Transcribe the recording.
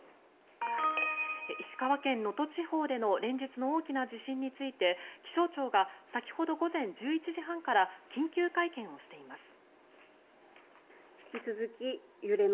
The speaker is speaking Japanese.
石川県能登地方での連日の大きな地震について気象庁が先ほど午前１１時半から緊急会見をしています。